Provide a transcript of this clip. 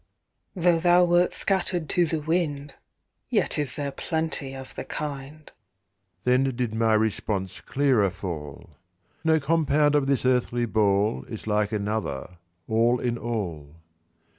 It spake, moreover, in my mind: "Tho' thou wert scatter'd to the wind, Yet is there plenty of the kind". Then did my response clearer fall: "No compound of this earthly ball Is like another, all in all".